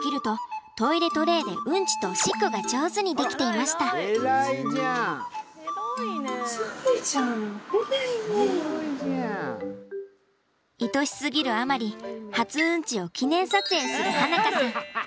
愛しすぎるあまり初うんちを記念撮影する花香さん。